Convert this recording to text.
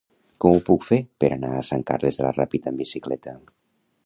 Com ho puc fer per anar a Sant Carles de la Ràpita amb bicicleta?